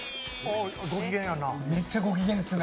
めっちゃご機嫌ですね。